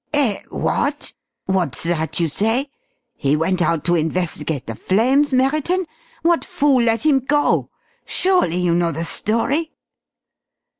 "Eh what? What's that you say? He went out to investigate the flames, Merriton? What fool let him go? Surely you know the story?"